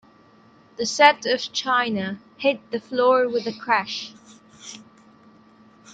The set of china hit the floor with a crash.